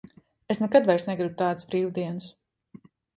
Es nekad vairs negribu tādas brīvdienas.